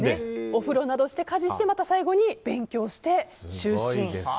お風呂などして、家事してまた最後に勉強して就寝。